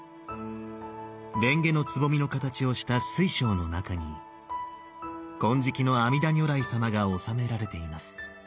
蓮華のつぼみの形をした水晶の中に金色の阿弥陀如来様が納められています。